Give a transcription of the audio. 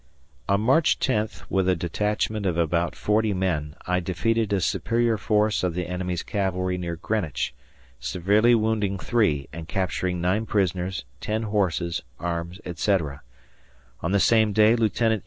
On March 10th with a detachment of about 40 men, I defeated a superior force of the enemy's cavalry near Greenwich, severely wounding 3, and capturing 9 prisoners, 10 horses, arms, etc. On the same day Lieut.